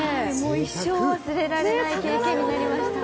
一生忘れられない経験になりました。